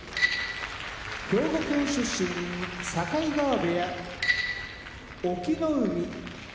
兵庫県出身境川部屋隠岐の海